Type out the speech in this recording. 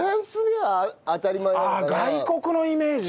ああ外国のイメージか。